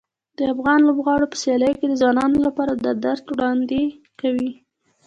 د افغان لوبغاړو په سیالیو کې د ځوانانو لپاره د درس وړاندې کوي.